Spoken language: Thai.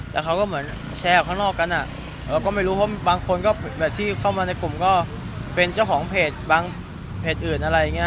แต่เค้าก็แบ่งแบบว่าเข้าไม่รู้บางคนก็อย่างที่เข้ามาในกลุ่มก็เป็นเจ้าของเพจอื่น